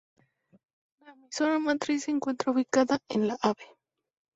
La emisora matriz se encuentra ubicada en la Ave.